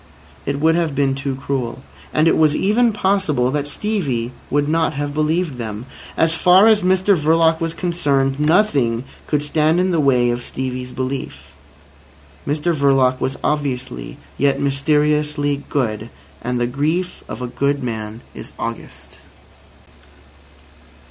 It would have been too cruel. And it was even possible that Stevie would not have believed them. As far as Mr Verloc was concerned, nothing could stand in the way of Stevie's belief. Mr Verloc was obviously yet mysteriously good. And the grief of a good man is august.